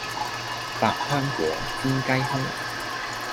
百香果煎雞胸